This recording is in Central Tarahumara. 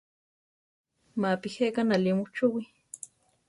Mapi jéka náli muchúwi.